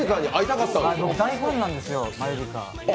僕、大ファンなんですよマユリカ。